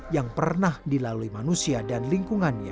yang pernah dilalui manusia dan lingkungannya